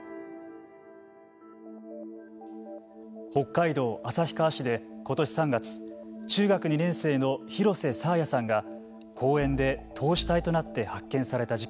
北海道旭川市でことし３月中学２年生の廣瀬爽彩さんが公園で凍死体となって発見された事件。